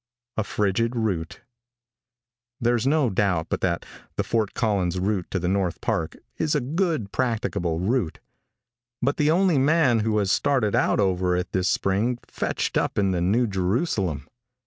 A FRIGID ROUTE. |THERE'S no doubt but that the Fort Collins route to the North Park, is a good, practicable route, but the only man who has started out over it this spring fetched up in the New Jerusalem.